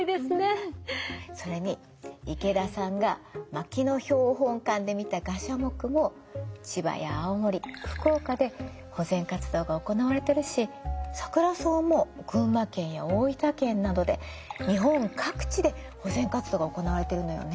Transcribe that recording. それに池田さんが牧野標本館で見たガシャモクも千葉や青森福岡で保全活動が行われてるしサクラソウも群馬県や大分県などで日本各地で保全活動が行われてるのよね。